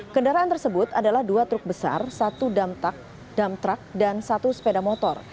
kendaraan tersebut adalah dua truk besar satu damtrak dan satu sepeda motor